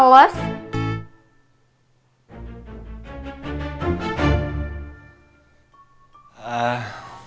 ya biasa aja kayak les